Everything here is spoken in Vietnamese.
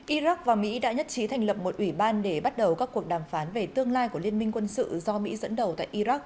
iraq và mỹ đã nhất trí thành lập một ủy ban để bắt đầu các cuộc đàm phán về tương lai của liên minh quân sự do mỹ dẫn đầu tại iraq